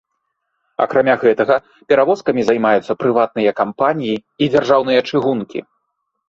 Акрамя гэтага, перавозкамі займаюцца прыватныя кампаніі і дзяржаўныя чыгункі.